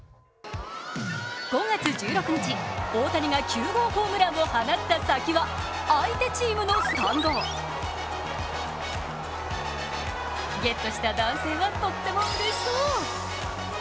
５月１６日、大谷が９号ホームランを放った先は相手チームのスタンド。ゲットした男性は、とってもうれしそう。